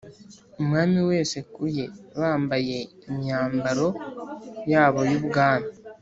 umwami wese ku ye, bambaye imyambaro yabo y’ubwami